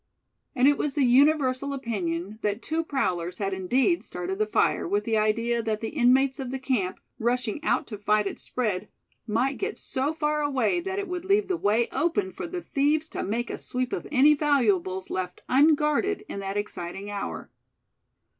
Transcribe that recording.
And it was the universal opinion that two prowlers had indeed started the fire with the idea that the inmates of the camp, rushing out to fight its spread, might get so far away that it would leave the way open for the thieves to make a sweep of any valuables left unguarded in that exciting hour.